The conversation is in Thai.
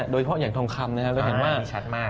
โดยเฉพาะอย่างทองคำเราเห็นว่าง